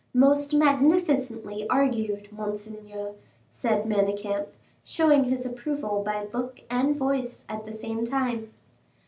"Most magnificently argued, monseigneur," said Manicamp, showing his approval by look and voice at the same time.